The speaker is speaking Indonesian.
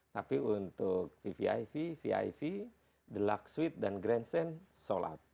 tapi untuk piv viv deluxe suite dan grand stand sold out